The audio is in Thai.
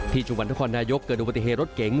ที่จุงวันทะคอนนายกเกิดอุบัติเหตุรถเก่ง